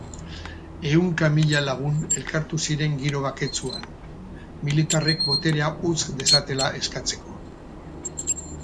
Ehunka mila lagun elkartu ziren giro baketsuan, militarrek boterea utz dezatela eskatzeko.